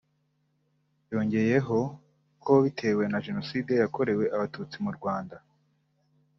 yongeyeho ko bitewe na Jenoside yakorewe Abatutsi mu Rwanda